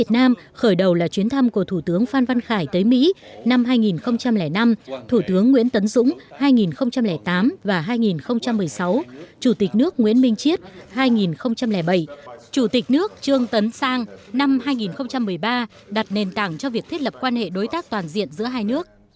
năm hai nghìn năm thủ tướng nguyễn tấn dũng hai nghìn tám và hai nghìn một mươi sáu chủ tịch nước nguyễn minh chiết hai nghìn bảy chủ tịch nước trương tấn sang năm hai nghìn một mươi ba đặt nền tảng cho việc thiết lập quan hệ đối tác toàn diện giữa hai nước